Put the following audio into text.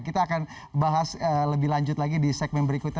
kita akan bahas lebih lanjut lagi di segmen berikutnya